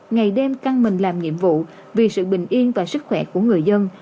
ngày đêm căng mình làm nhiệm vụ vì sự bình yên và sức khỏe của người dân